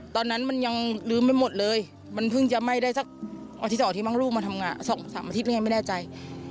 ตอนนั้นมันยังลืมไม่หมดเลยมันเพิ่งจะไหม้ได้สักอาทิตย์๒อาทิตมั่งลูกมาทำงาน๒๓อาทิตหรือยังไม่แน่ใจ